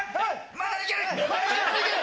まだいける！